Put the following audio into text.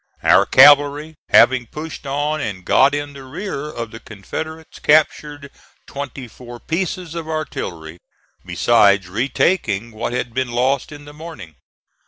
Our cavalry, having pushed on and got in the rear of the Confederates, captured twenty four pieces of artillery, besides retaking what had been lost in the morning.